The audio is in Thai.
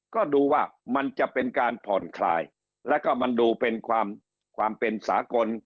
ก็ดูว่ามันจะเป็นการผ่อนคลายแล้วก็มันดูเป็นความเป็นสากล